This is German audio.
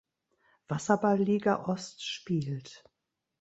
Wasserball-Liga Ost spielt.